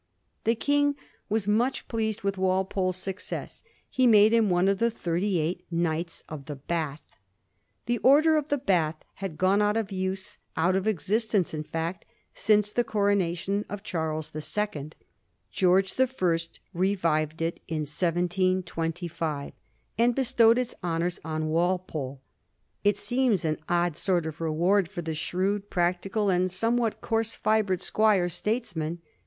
The King was much pleased with Walpole's success. He made him one of the thirty eight Knights of the Bath. The Order of the Bath had gone out of use, out of existence in fact, since the coronation of Charles the Second ; George the First revived it in 1725, and bestowed its honours on Walpole. It seems an odd sort of reward for the shrewd, practical, and somewhat coarse j&bred squire statesman.